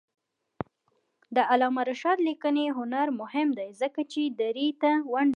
د علامه رشاد لیکنی هنر مهم دی ځکه چې دري ته ونډه لري.